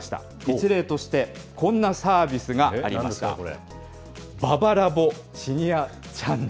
一例としてこんなサービスがありなんでしょう？